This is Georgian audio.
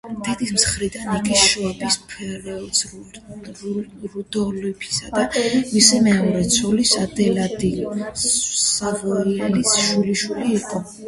დედის მხრიდან იგი შვაბიის ჰერცოგ რუდოლფისა და მისი მეორე ცოლის, ადელაიდა სავოიელის შვილიშვილი იყო.